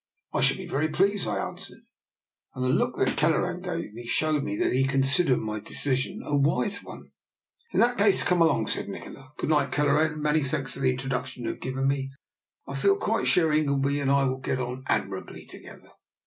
" I shall be very pleased," I answered; and the look that Kelleran gave me showed me that he considered my decision a wise one. In that case come along," said Nikola. " Good night, Kelleran, and many thanks for the introduction you have given me. I feel quite sure Ingleby and I will get on admi rably together."